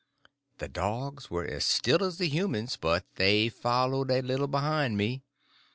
The dogs were as still as the humans, but they followed a little behind me.